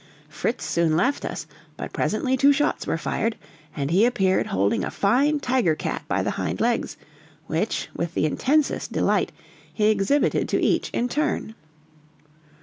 Fritz soon left us, but presently two shots were fired, and he appeared holding a fine tiger cat by the hind legs, which, with the intensest delight, he exhibited to each in turn.